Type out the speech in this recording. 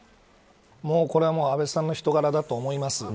これは、もう安倍さんの人柄だと思います。